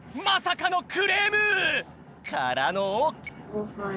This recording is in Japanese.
まさかのクレーム！からの？